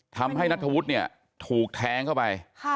นัทธวุฒิเนี่ยถูกแทงเข้าไป